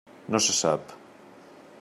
No se sap.